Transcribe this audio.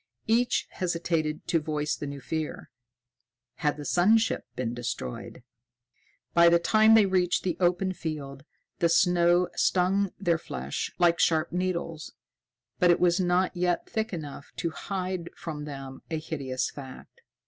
Each hesitated to voice the new fear: had the sun ship been destroyed? By the time they reached the open field, the snow stung their flesh like sharp needles, but it was not yet thick enough to hide from them a hideous fact.